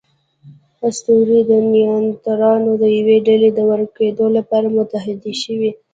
اسطورې د نیاندرتالانو د یوې ډلې د ورکېدو لپاره متحدې شوې.